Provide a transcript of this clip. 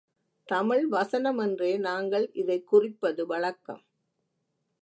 தமிழ் வசனம் என்றே நாங்கள் இதைக் குறிப்பது வழக்கம்.